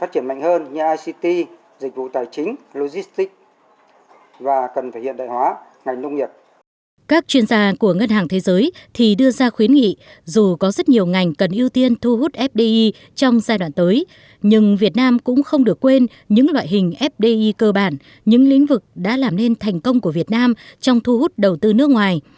tất cả các chuyên gia của ngân hàng thế giới thì đưa ra khuyến nghị dù có rất nhiều ngành cần ưu tiên thu hút fdi trong giai đoạn tới nhưng việt nam cũng không được quên những loại hình fdi cơ bản những lĩnh vực đã làm nên thành công của việt nam trong thu hút đầu tư nước ngoài